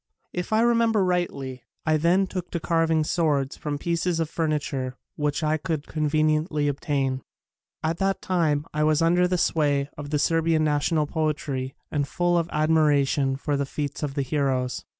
If I remember rightly, I then took to carving swords from pieces of furniture which I could conveniently obtain. At that time I was under the sway of the Serbian national poetry and full of admira tion for the feats of the heroes.